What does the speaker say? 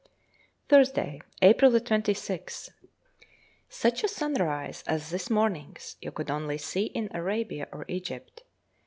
Thursday, April 26th. Such a sunrise as this morning's you could only see in Arabia or Egypt.